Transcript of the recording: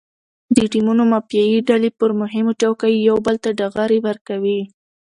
د ټیمونو مافیایي ډلې پر مهمو چوکیو یو بل ته ډغرې ورکوي.